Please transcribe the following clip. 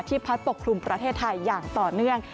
พัดปกคลุมประเทศไทยอย่างต่อเนื่อง